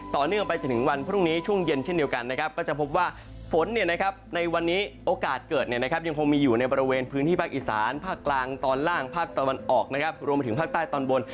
ต่อเนื่องไปจนถึงวันพรุ่งนี้ช่วงเย็นเช่นเดียวกันนะครับก็จะพบว่าฝนในวันนี้โอกาสเกิดยังคงมีอยู่ในบริเวณพื้นที่ภาคอีสานภาคกลางตอนล่างภาคตะวันออกนะครับรวมไปถึงภาคใต้ตอนบน